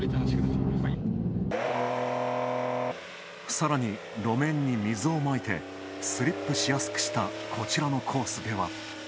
さらに、路面に水をまいてスリップしやすくした、こちらのコースでは。